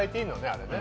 あれね。